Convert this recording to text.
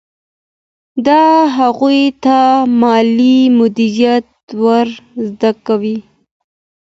دا هغوی ته مالي مدیریت ور زده کوي.